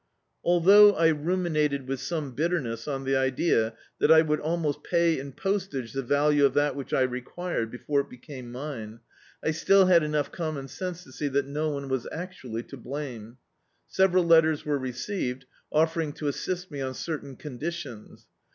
Al thou^ I ruminated with some bitterness on the idea that I would almost pay in postage the value of that which I required, before it became mine, I still had enough commoa sense to see that no one was actually to blame. Several letters were received, offering to assist me on certain conditions.